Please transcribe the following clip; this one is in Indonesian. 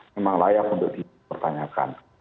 memang layak untuk dipertanyakan